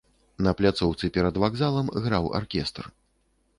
На пляцоўцы перад вакзалам граў аркестр.